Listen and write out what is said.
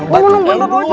gua mau nungguin bapak aja